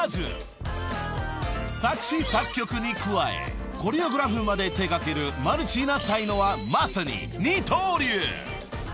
［作詞作曲に加えコレオグラフまで手掛けるマルチな才能はまさに二刀流］